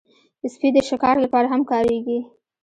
سپي د شکار لپاره هم کارېږي.